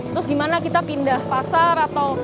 terus gimana kita pindah pasar atau